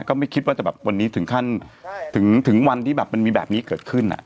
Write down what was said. ก็ไม่คิดว่าจะแบบวันนี้ถึงขั้นถึงวันที่แบบมันมีแบบนี้เกิดขึ้น